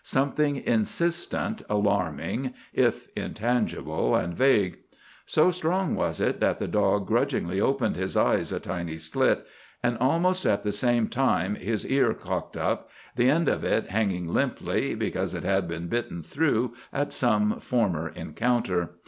Something insistent, alarming, if intangible and vague. So strong was it that the dog grudgingly opened his eyes a tiny slit, and almost at the same time his ear cocked up, the end of it hanging limply, because it had been bitten through at some former encounter.